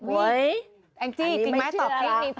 อุ๊ยแองจี้จริงไหมตอบครับอันนี้ไม่เชื่อ